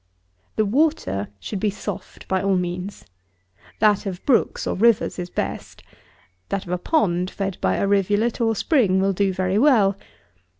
40. The water should be soft by all means. That of brooks, or rivers, is best. That of a pond, fed by a rivulet, or spring, will do very well.